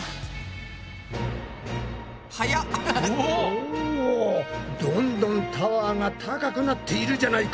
おどんどんタワーが高くなっているじゃないか！